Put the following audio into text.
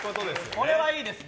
これはいいですね。